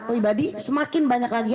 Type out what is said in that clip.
pribadi semakin banyak lagi